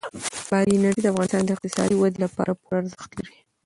بادي انرژي د افغانستان د اقتصادي ودې لپاره پوره ارزښت لري.